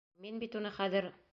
Мин бит уны хәҙер!..